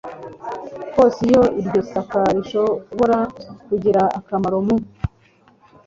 hose iyo iryo saka rishobora kugira akamaro mu